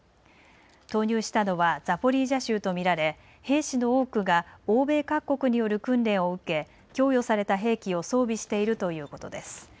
投入したのはザポリージャ州と見られ兵士の多くが欧米各国による訓練を受け、供与された兵器を装備しているということです。